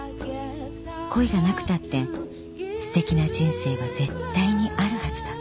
［恋がなくたってすてきな人生は絶対にあるはずだ］